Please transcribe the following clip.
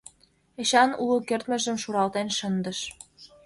Эчан уло кертмыжым шуралтен шындыш.